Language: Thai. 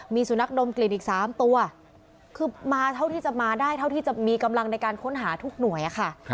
มีสุนัขดมกลิ่นอีก๓ตัวคือมาเท่าที่จะมาได้เท่าที่จะมีกำลังในการค้นหาทุกหน่วยค่ะ